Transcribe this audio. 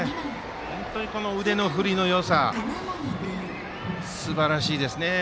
本当に腕の振りのよさすばらしいですね。